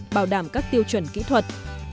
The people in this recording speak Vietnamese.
bảo đảm các tiêu chuẩn kỹ thuật